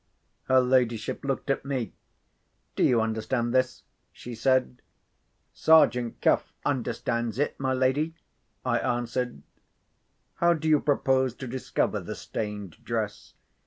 Her ladyship looked at me. "Do you understand this?" she said. "Sergeant Cuff understands it, my lady," I answered. "How do you propose to discover the stained dress?"